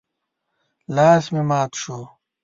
لاس مې مات شو.